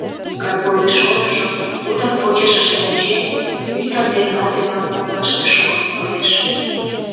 Кыргорий шольыжо, тудын почешыже ончен, ӱдыр ден вате-влак коклаште шогылт кодеш.